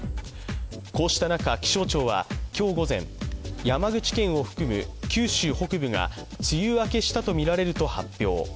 こうした中、気象庁は今日午前、山口県を含む九州北部が梅雨明けしたとみられると発表。